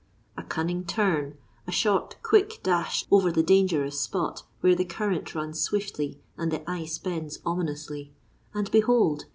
A cunning turn, a short, quick dash over the dangerous spot, where the current runs swiftly and the ice bends ominously, and, behold!